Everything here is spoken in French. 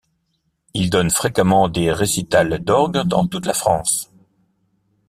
Il donne fréquemment des récitals d’orgue dans toute la France.